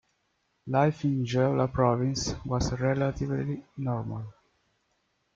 Life in Jeolla Province was relatively normal.